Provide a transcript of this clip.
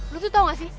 lo tuh tau gak sih